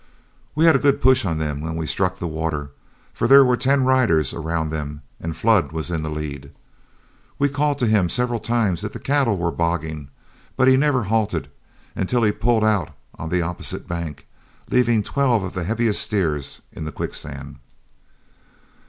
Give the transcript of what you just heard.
We had a good push on them when we struck the water, for there were ten riders around them and Flood was in the lead. We called to him several times that the cattle were bogging, but he never halted until he pulled out on the opposite bank, leaving twelve of the heaviest steers in the quicksand.